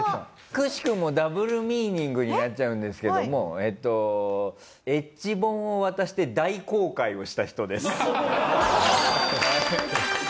くしくもダブルミーニングになっちゃうんですけどもＨ本を渡して大航海をした人です。